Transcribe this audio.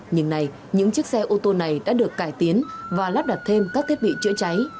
nhưng nay những chiếc xe ô tô này đã được cải tiến và lắp đặt thêm các thiết bị chữa cháy